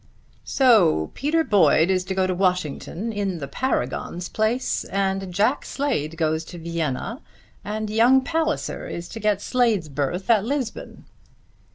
"So Peter Boyd is to go to Washington in the Paragon's place, and Jack Slade goes to Vienna, and young Palliser is to get Slade's berth at Lisbon."